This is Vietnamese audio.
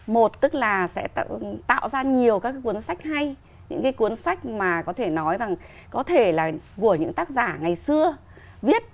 một tức là sẽ tạo ra nhiều các cái cuốn sách hay những cái cuốn sách mà có thể nói rằng có thể là của những tác giả ngày xưa viết